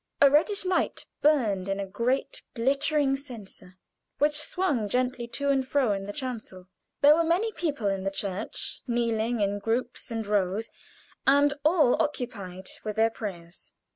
A reddish light burned in a great glittering censer, which swung gently to and fro in the chancel. There were many people in the church, kneeling in groups and rows, and all occupied with their prayers.